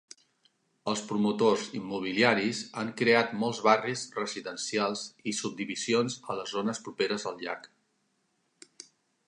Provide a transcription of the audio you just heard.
Els promotors immobiliaris han creat molts barris residencials i subdivisions a les zones properes al llac.